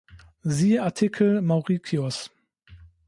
Siehe Artikel Maurikios.